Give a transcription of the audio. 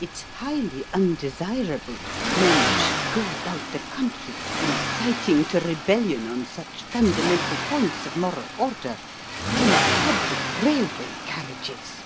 It's highly undesirable men should go about the country inciting to rebellion on such fundamental points of moral order in public railway carriages."